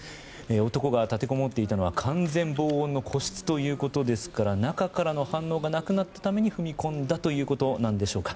男が立てこもっていたのは完全防音の個室ということですから中からの反応がなくなったために踏み込んだということなんでしょうか。